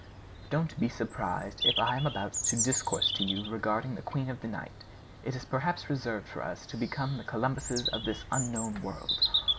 Don't be surprised if I am about to discourse to you regarding the Queen of the Night. It is perhaps reserved for us to become the Columbuses of this unknown world.